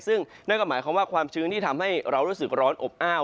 ซึ่งนั่นก็หมายความว่าความชื้นที่ทำให้เรารู้สึกร้อนอบอ้าว